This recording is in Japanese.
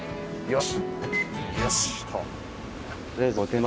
よし！